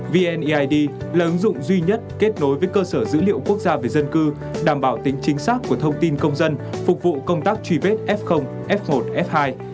vneid là ứng dụng duy nhất kết nối với cơ sở dữ liệu quốc gia về dân cư đảm bảo tính chính xác của thông tin công dân phục vụ công tác truy vết f f một f hai